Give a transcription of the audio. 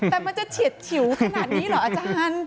แต่มันจะเสียดเหยียวขนาดนี้หรออจารย์